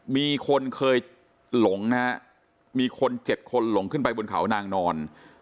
มีคนเคยหลงนะฮะมีคน๗คนหลงขึ้นไปบนเขานางนอน